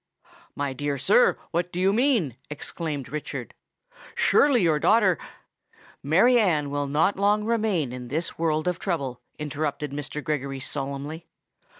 "My dear sir—what do you mean?" exclaimed Richard. "Surely your daughter——" "Mary Anne will not long remain in this world of trouble," interrupted Mr. Gregory, solemnly.